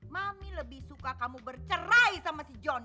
mami lebih suka kamu bercerai sama si john